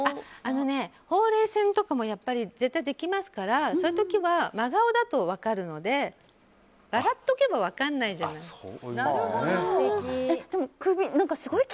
ほうれい線とかも絶対できますからそういう時は真顔だと分かるので笑っておけば分からないじゃないですか。